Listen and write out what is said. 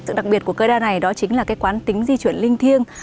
sự đặc biệt của cây đa này đó chính là cái quán tính di chuyển linh thiêng